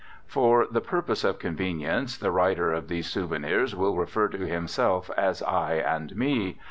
For the purpose of convenience the writer of these souvenirs will refer to himself as "I" and "me."